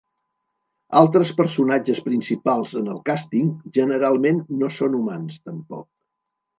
Altres personatges principals en el càsting generalment no són humans, tampoc.